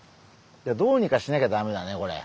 いやどうにかしなきゃダメだねこれ。